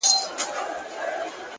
عجیبه ده لېونی آمر مي وایي!!